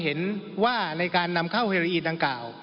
เห็นว่าในการนำเข้าเฮโรอีดังกล่าว